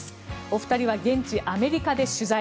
お二人は現地アメリカで取材。